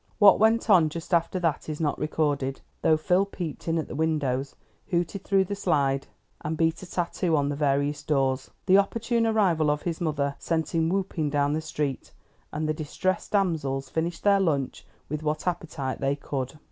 What went on just after that is not recorded, though Phil peeped in at the windows, hooted through the slide, and beat a tattoo on the various doors. The opportune arrival of his mother sent him whooping down the street, and the distressed damsels finished their lunch with what appetite they could.